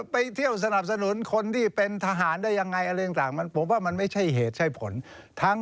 ไปเที่ยวสนับสนุนคนที่เป็นทหารได้ยังไงอะไรต่างมันผมว่ามันไม่ใช่เหตุใช่ผลทั้ง